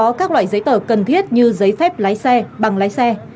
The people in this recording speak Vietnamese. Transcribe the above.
có các loại giấy tờ cần thiết như giấy phép lái xe bằng lái xe